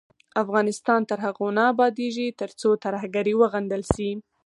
افغانستان تر هغو نه ابادیږي، ترڅو ترهګري وغندل شي.